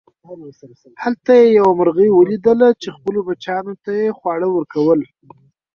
هلته یې یوه مرغۍ وليدله چې خپلو بچیانو ته یې خواړه ورکول.